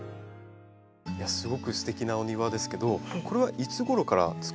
すごくすてきなお庭ですけどこれはいつごろからつくられたんですか？